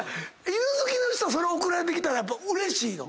犬好きの人送られてきたらやっぱうれしいの？